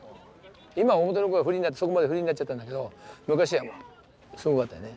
今は表の方はそこまでフリーになっちゃったんだけど昔はすごかったよね。